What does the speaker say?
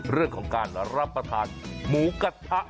เรื่องของการรับประทานหมูกระทะ